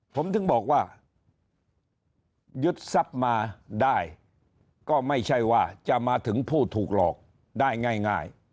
ผมถึงบอกว่ายึดทรัพย์มาได้ก็ไม่ใช่ว่าจะมาถึงผู้ถูกหลอกได้ง่าย